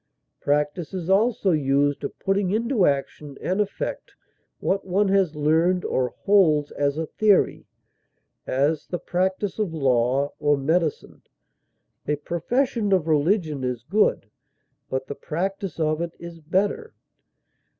Practise is also used of putting into action and effect what one has learned or holds as a theory; as, the practise of law or medicine; a profession of religion is good, but the practise of it is better.